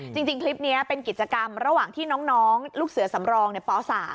จริงคลิปนี้เป็นกิจกรรมระหว่างที่น้องลูกเสือสำรองในป๓